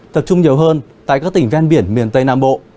tập trung nhiều hơn tại các tỉnh ven biển miền tây nam bộ